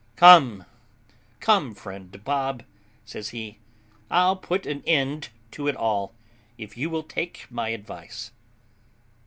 "Come, come, friend Bob," says he, "I'll put an end to it all, if you will take my advice."